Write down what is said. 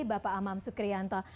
bapak amam sukrianto